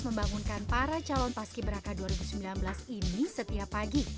membangunkan para calon paski beraka dua ribu sembilan belas ini setiap pagi